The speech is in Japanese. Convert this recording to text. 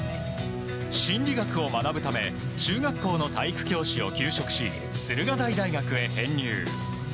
心理学を学ぶため中学校の体育教師を休職し駿河台大学へ編入。